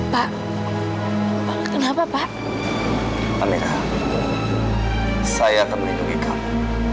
pak pak kenapa pak amira saya terlindungi kamu